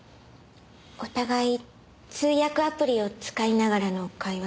お互い通訳アプリを使いながらの会話です。